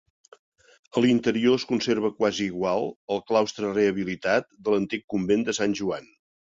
A l'interior es conserva quasi igual, el claustre rehabilitat de l'antic convent de Sant Joan.